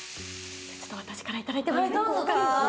私からいただいてもいいですか。